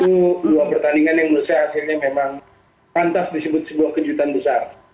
itu dua pertandingan yang menurut saya hasilnya memang pantas disebut sebuah kejutan besar